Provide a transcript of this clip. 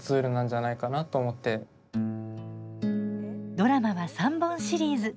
ドラマは３本シリーズ。